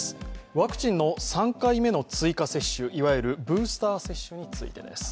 ワクチンの３回目の追加接種、いわゆるブースター接種についてです。